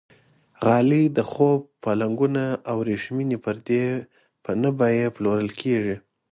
غالۍ، د خوب پالنګونه او وریښمینې پردې په نه بیه پلورل کېږي.